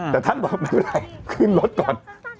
แต่ท่านบอกว่ามึงอะไรขึ้นรถก่อน